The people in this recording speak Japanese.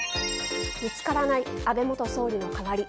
見つからない安倍元総理の代わり。